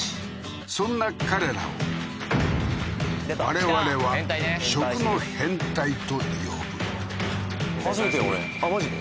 そんな彼らを我々は食の変態と呼ぶ初めてや俺マジで？